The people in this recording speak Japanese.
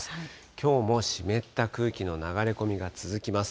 きょうも湿った空気の流れ込みが続きます。